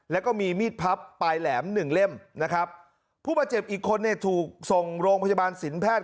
แล้วก็มีมีดพับปลายแหลมหนึ่งเล่มนะครับผู้บาดเจ็บอีกคนเนี่ยถูกส่งโรงพยาบาลสินแพทย์